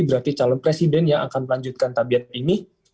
berarti calon presiden yang akan melanjutkan tabiat ini